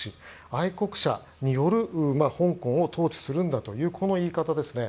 愛国者による香港を統治するんだという言い方ですね。